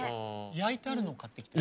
焼いてあるのを買ってきてる？